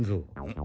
ん？